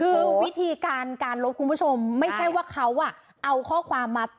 คือวิธีการการลบคุณผู้ชมไม่ใช่ว่าเขาเอาข้อความมา